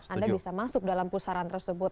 anda bisa masuk dalam pusaran tersebut